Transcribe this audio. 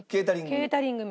ケータリング？